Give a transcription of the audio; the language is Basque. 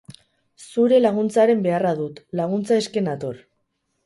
Zure laguntzaren beharra dut. Laguntza eske nator.